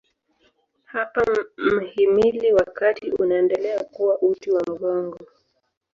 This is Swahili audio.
Hapa mhimili wa kati unaendelea kuwa uti wa mgongo.